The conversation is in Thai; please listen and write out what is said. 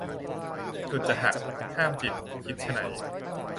สุดจะหัก ห้ามจิต คิดไฉน